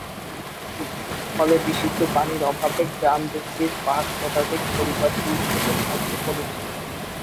ফলে বিশুদ্ধ পানির অভাবে গ্রাম দুটির পাঁচ শতাধিক পরিবার দুর্ভোগের মধ্যে পড়েছে।